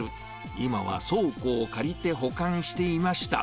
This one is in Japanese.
今は倉庫を借りて、保管していました。